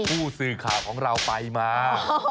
ผู้สื่อข่าวของเราไปมา